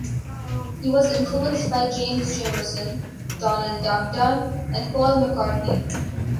He was influenced by James Jamerson, Donald "Duck" Dunn, and Paul McCartney.